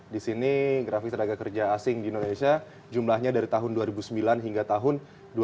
di sini grafis tenaga kerja asing di indonesia jumlahnya dari tahun dua ribu sembilan hingga tahun dua ribu dua